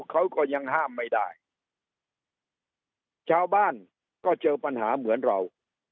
เขาก็ยังห้ามไม่ได้ชาวบ้านก็เจอปัญหาเหมือนเรา